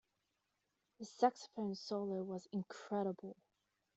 His saxophone solo was incredible.